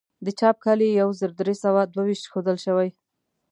د چاپ کال یې یو زر درې سوه دوه ویشت ښودل شوی.